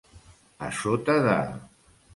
A sota de.